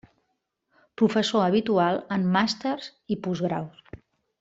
Professor habitual en màsters i postgraus.